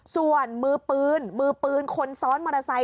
ส่วนมือปืนมือปืนคนซ้อนมอเตอร์ไซค